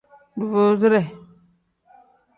Duvuuzire.